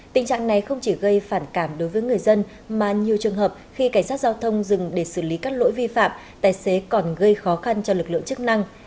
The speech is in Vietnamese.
tình trạng này không chỉ gây phản cảm đối với người dân mà nhiều trường hợp khi cảnh sát giao thông dừng để xử lý các lỗi vi phạm tài xế còn gây khó khăn cho lực lượng chức năng